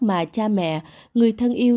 mà cha mẹ người thân yêu